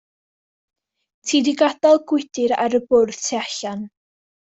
Ti 'di gadael gwydr ar y bwrdd tu allan.